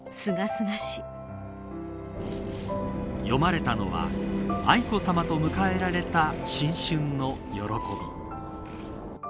詠まれたのは愛子さまと迎えられた新春の喜び。